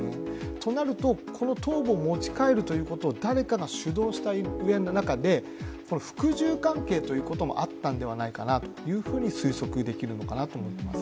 となると、この頭部を持ち帰るということを誰かが主導した中で服従関係ということもあったのではないかなと推測できるのではないかなと思います。